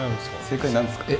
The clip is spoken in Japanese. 正解何ですか？